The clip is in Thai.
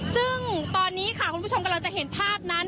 ซึ่งตอนนี้ค่ะคุณผู้ชมกำลังจะเห็นภาพนั้น